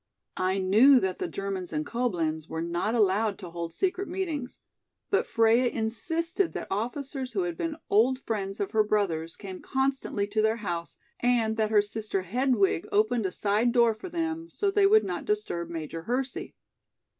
I knew that the Germans in Coblenz were not allowed to hold secret meetings, but Freia insisted that officers who had been old friends of her brother's came constantly to their house and that her sister Hedwig opened a side door for them, so they would not disturb Major Hersey.